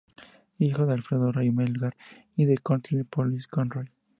Hijo de Alfredo Rey Melgar y de Clotilde Polis Conroy.